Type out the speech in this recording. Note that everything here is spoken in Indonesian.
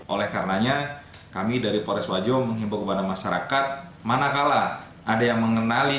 oleh karenanya kami dari polres wajo menghimbau kepada masyarakat manakala ada yang mengenali